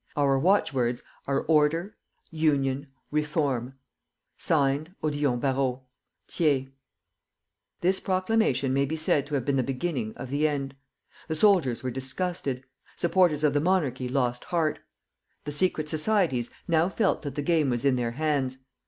Our watchwords are, Order, Union, Reform! (Signed) ODILLON BARROT. THIERS. This proclamation may be said to have been the beginning of the end. The soldiers were disgusted; supporters of the monarchy lost heart; the secret societies now felt that the game was in their hands.